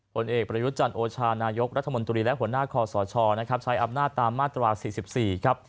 ผลเอกประยุทธ์จันทร์โอชานายกรัฐมนตรีและหัวหน้าคศชใช้อับหน้าตามมาตรวา๔๔